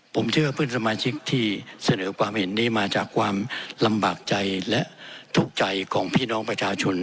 ผมเชื่อว่าเพื่อนสมาชิกที่เสนอความเห็นนี้มาจากความลำบากใจและทุกข์ใจของพี่น้องประชาชน